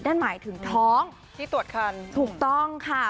นั่นหมายถึงท้องที่ตรวจคันถูกต้องค่ะ